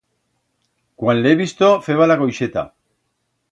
Cuan l'he visto, feba la coixeta.